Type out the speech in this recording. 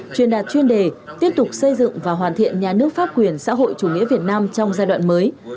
chuyên đạt chuyên đề tiếp tục xây dựng và hoàn thiện nhà nước pháp quyền xã hội chủ nghĩa việt nam trong giai đoạn mới